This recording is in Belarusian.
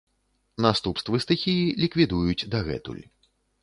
Наступствы стыхіі ліквідуюць дагэтуль.